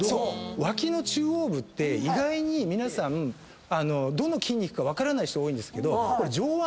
脇の中央部って意外に皆さんどの筋肉か分からない人多いんですけどこれ上腕二頭筋なんですよ。